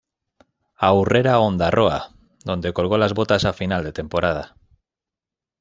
Aurrera Ondarroa, donde colgó las botas a final de temporada.